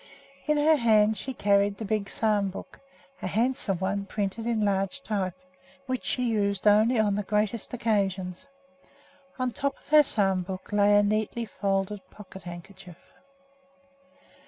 In her hand she carried the big psalm book, a handsome one printed in large type, which she used only on the greatest occasions. On top of the psalm book lay a neatly folded pocket handkerchief.